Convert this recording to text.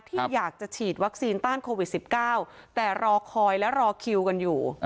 ที่อยากจะฉีดวัคซีนต้านโควิด๑๙แต่รอคอยและรอคิวกันอยู่